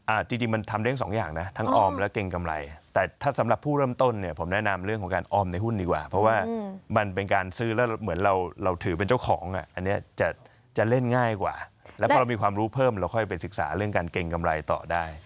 จริงจริงมันทำได้สองอย่างนะทั้งออมและเกรงกำไรแต่ถ้าสำหรับผู้เริ่มต้นเนี่ยผมแนะนำเรื่องของการออมในหุ้นดีกว่าเพราะว่ามันเป็นการซื้อแล้วเหมือนเราเราถือเป็นเจ้าของอ่ะอันนี้จะจะเล่นง่ายกว่าแล้วพอเรามีความรู้เพิ่มเราค่อยไปศึกษาเรื่องการเกรงกำไรต่อได้